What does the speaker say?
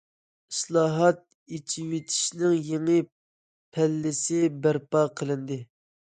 ئىسلاھات، ئېچىۋېتىشنىڭ يېڭى پەللىسى بەرپا قىلىندى.